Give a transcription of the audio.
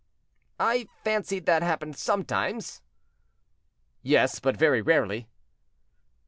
"I fancied that happened sometimes." "Yes, but very rarely."